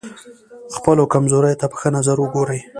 خپلو کمزوریو ته په ښه نظر وګورئ.